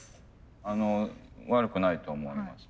あの悪くないと思います。